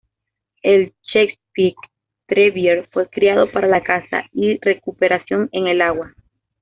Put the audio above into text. El Chesapeake retriever fue criado para la caza y recuperación en el agua.